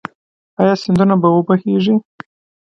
آیا سیندونه به و بهیږي؟